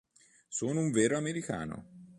Sono un vero americano.